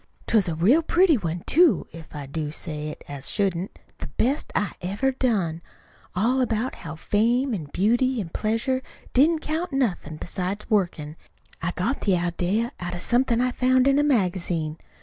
'T was a real pretty one, too, if I do say it as shouldn't the best I ever done; all about how fame an' beauty an' pleasure didn't count nothin' beside workin'. I got the idea out of something I found in a magazine.